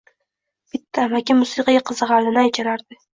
Bitta amakim musiqaga qiziqardi, nay chalardi.